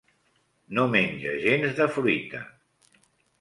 No menja gens de fruita.